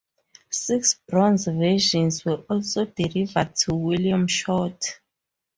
Six bronze versions were also delivered to William Short.